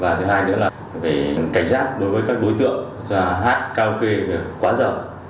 và thứ hai nữa là phải cảnh sát đối với các đối tượng hát karaoke quá rộng